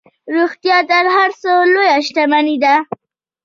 روغتیا تر هر څه لویه شتمني ده.